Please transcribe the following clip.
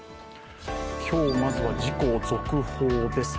今日、まずは事故、続報です。